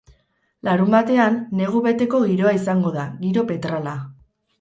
Larunbatean, negu beteko giroa izango da, giro petrala.